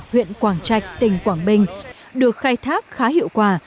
huyện quảng trạch tỉnh quảng bình được khai thác khá hiệu quả